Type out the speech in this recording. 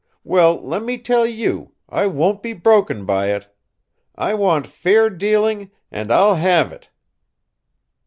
Well, let me tell you, I won't be broken by it. I want fair dealing, and I'll have it!"